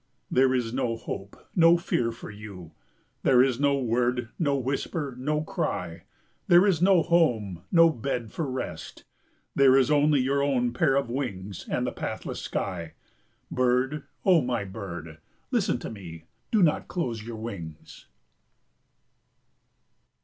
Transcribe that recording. There is no hope, no fear for you. There is no word, no whisper, no cry. There is no home, no bed for rest. There is only your own pair of wings and the pathless sky. Bird, O my bird, listen to me, do not close your wings.